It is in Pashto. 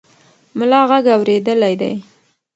ملا غږ اورېدلی دی.